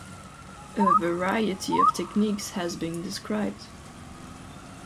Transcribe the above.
A variety of techniques has been described.